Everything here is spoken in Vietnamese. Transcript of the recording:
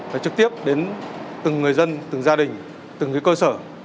phải trực tiếp đến từng người dân từng gia đình từng cơ sở